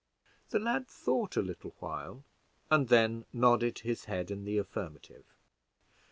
The lad thought a little while, and then nodded his head in the affirmative.